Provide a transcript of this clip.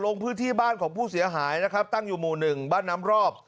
ลงพื้นที่บ้านของผู้เสียหายนะครับตั้งอยู่หมู่หนึ่งบ้านน้ำรอบ